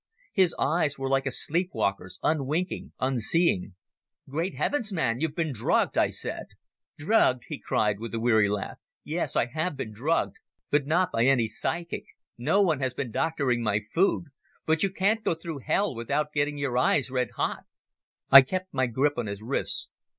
His eyes were like a sleep walker's, unwinking, unseeing. "Great heavens, man, you've been drugged!" I said. "Drugged," he cried, with a weary laugh. "Yes, I have been drugged, but not by any physic. No one has been doctoring my food. But you can't go through hell without getting your eyes red hot." I kept my grip on his wrists.